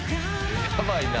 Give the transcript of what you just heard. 「やばいな！」